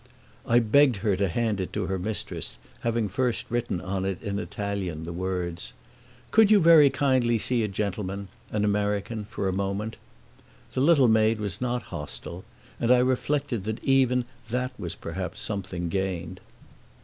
I begged her to hand it to her mistress, having first written on it in Italian the words, "Could you very kindly see a gentleman, an American, for a moment?" The little maid was not hostile, and I reflected that even that was perhaps something gained.